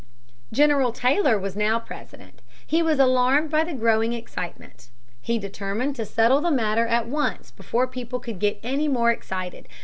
General Taylor was now President. He was alarmed by the growing excitement. He determined to settle the matter at once before people could get any more excited.